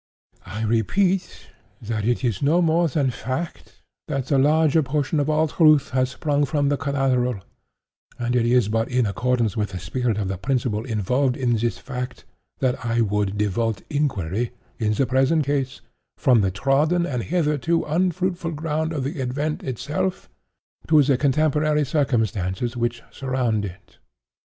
"I repeat that it is no more than fact, that the larger portion of all truth has sprung from the collateral; and it is but in accordance with the spirit of the principle involved in this fact, that I would divert inquiry, in the present case, from the trodden and hitherto unfruitful ground of the event itself, to the contemporary circumstances which surround it.